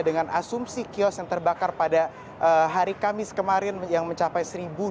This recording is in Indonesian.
dengan asumsi kios yang terbakar pada hari kamis kemarin yang mencapai satu dua ratus